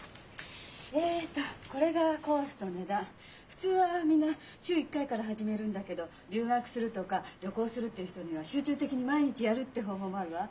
普通はみんな週１回から始めるんだけど留学するとか旅行するっていう人には集中的に毎日やるって方法もあるわ。